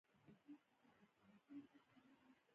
افغانستان د آب وهوا په اړه ډېرې علمي څېړنې لري.